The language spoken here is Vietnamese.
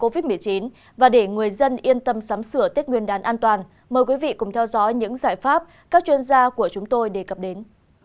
và để người dân yên tâm sắm sửa tết nguyên đáng an toàn mời quý vị cùng theo dõi những giải pháp các chuyên gia của chúng tôi đề cập đến